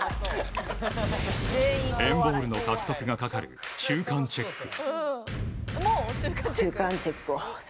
＆ＢＡＬＬの獲得がかかる中間チェック。